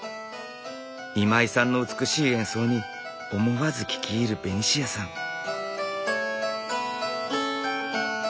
今井さんの美しい演奏に思わず聴き入るベニシアさん。